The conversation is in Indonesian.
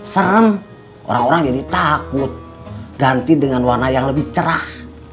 serem orang orang jadi takut ganti dengan warna yang lebih cerah